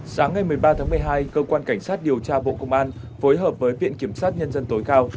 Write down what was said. sáng ngày một mươi ba tháng một mươi hai cơ quan cảnh sát điều tra bộ công an phối hợp với viện kiểm sát nhân dân tối cao